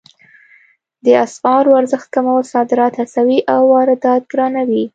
د اسعارو ارزښت کمول صادرات هڅوي او واردات ګرانوي